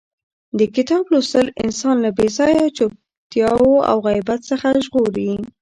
د کتاب لوستل انسان له بې ځایه چتیاو او غیبت څخه ژغوري.